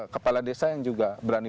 kepala desa yang juga berani